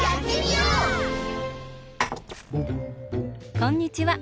こんにちは。